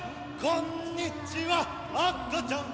「こんにちは赤ちゃん」